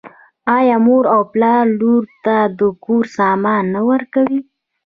آیا مور او پلار لور ته د کور سامان نه ورکوي؟